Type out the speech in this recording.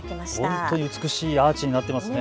本当に美しいアーチになっていますね。